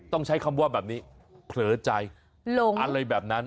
ต้องใช้คำว่าแบบนี้เผลอใจอะไรแบบนั้น